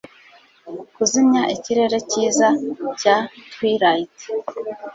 kuzimya ikirere cyiza cya twilight